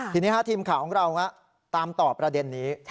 ทีนี้ทีมข่าวของเราตามต่อประเด็นนี้